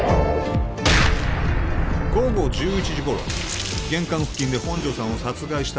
午後１１時頃玄関付近で本条さんを殺害した